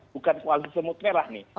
bukan koalisi semut merah